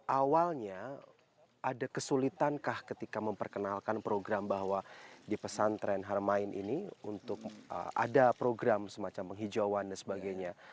awalnya ada kesulitankah ketika memperkenalkan program bahwa di pesantren harmain ini untuk ada program semacam penghijauan dan sebagainya